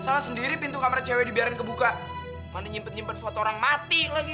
salah sendiri pintu kamar cewek dibiarin kebuka mana nyimpen nyimpen foto orang mati lagi